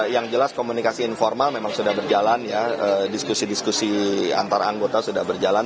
yang jelas komunikasi informal memang sudah berjalan ya diskusi diskusi antar anggota sudah berjalan